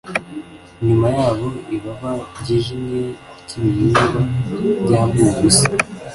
inyuma yabo ibaba ryijimye ryibihingwa byambuwe ubusa